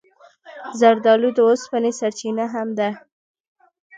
زردالو د اوسپنې سرچینه هم ده.